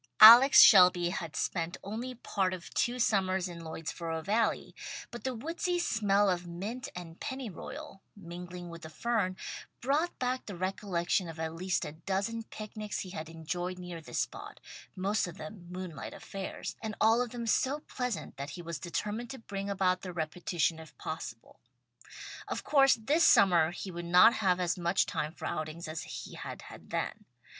Alex Shelby had spent only part of two summers in Lloydsboro Valley, but the woodsy smell of mint and pennyroyal, mingling with the fern, brought back the recollection of at least a dozen picnics he had enjoyed near this spot, most of them moonlight affairs, and all of them so pleasant that he was determined to bring about their repetition if possible. Of course this summer he would not have as much time for outings as he had had then.